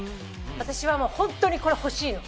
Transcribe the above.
私はもう本当にこれ欲しいの。